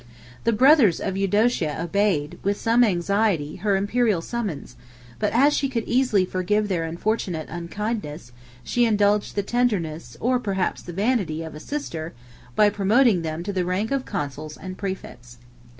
The brothers of Eudocia obeyed, with some anxiety, her Imperial summons; but as she could easily forgive their unfortunate unkindness, she indulged the tenderness, or perhaps the vanity, of a sister, by promoting them to the rank of consuls and præfects.